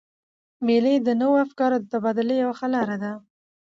مېلې د نوو افکارو د تبادلې یوه ښه لاره ده.